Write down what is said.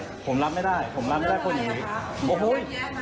นี่ผมไม่ได้เลย